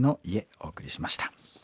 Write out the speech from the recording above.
お送りしました。